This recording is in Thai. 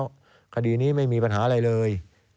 สมัยภาษาคดีนี้ไม่มีปัญหาอะไรเลย